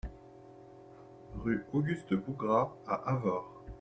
Rue Auguste Bougrat à Avord